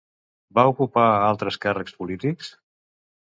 Va ocupar altres càrrecs polítics?